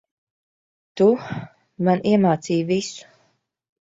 Tu, man iemācīji visu.